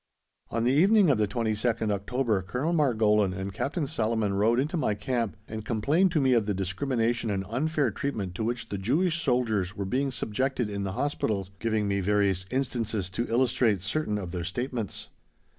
On the evening of the 22nd October Colonel Margolin and Captain Salaman rode into my camp and complained to me of the discrimination and unfair treatment to which the Jewish soldiers were being subjected in the Hospitals giving me various instances to illustrate certain of their statements.